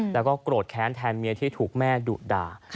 แล้วก็โกรธแค้นแทนเมียที่ถูกแม่ดุด่า